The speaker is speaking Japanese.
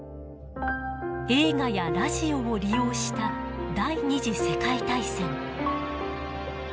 映画やラジオを利用した第二次世界大戦。